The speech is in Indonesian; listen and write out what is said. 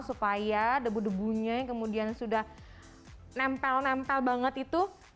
supaya debu debunya yang kemudian sudah nempel nempel banget itu